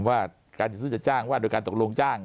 ว่าการจัดซื้อจัดจ้างว่าโดยการตกลงจ้าง